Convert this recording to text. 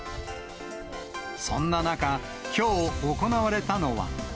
そんな中、きょう行われたのは。